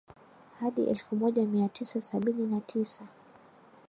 hadi elfu moja mia tisa sabini na tisa